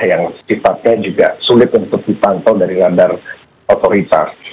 yang sifatnya juga sulit untuk dipantau dari radar otoritas